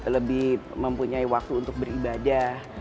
lebih mempunyai waktu untuk beribadah